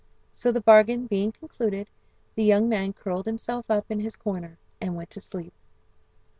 So the bargain being concluded, the young man curled himself up in his corner and went to sleep.